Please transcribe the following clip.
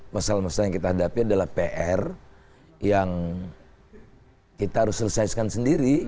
masalah masalah yang kita hadapi adalah pr yang kita harus selesaikan sendiri